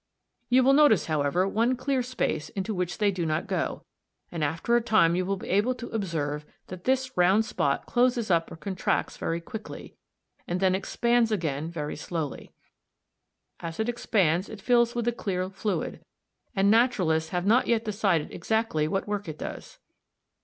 ] You will notice, however, one round clear space (cv) into which they do not go, and after a time you will be able to observe that this round spot closes up or contracts very quickly, and then expands again very slowly. As it expands it fills with a clear fluid, and naturalists have not yet decided exactly what work it does.